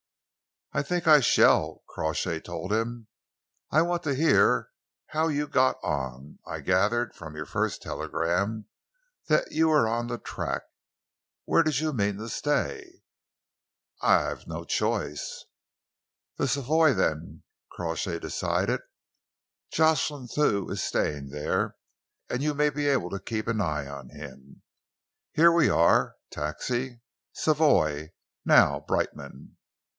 "I think I shall," Crawshay told him. "I want to hear how you got on. I gathered from your first telegram that you were on the track. Where did you mean to stay?" "I've no choice." "The Savoy, then," Crawshay decided. "Jocelyn Thew is staying there, and you may be able to keep an eye on him. Here we are. Taxi? Savoy! Now, Brightman."